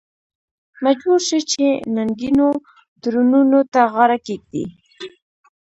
مجبور شو چې ننګینو تړونونو ته غاړه کېږدي.